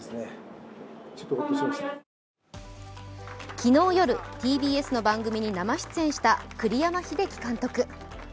昨日夜、ＴＢＳの番組に生出演した栗山英樹監督。